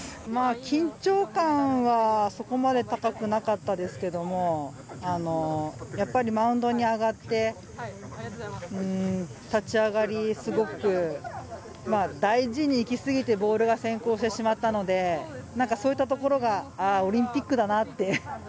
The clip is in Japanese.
緊張感はそこまで高くなかったですけども、やっぱりマウンドに上がって、立ち上がり、すごく大事にいきすぎて、ボールが先行してしまったので、なんかそういったところが、ああ、オリンピックだなって。